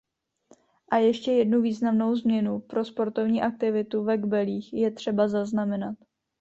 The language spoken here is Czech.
A ještě jednu významnou změnu pro sportovní aktivitu ve Kbelích je třeba zaznamenat.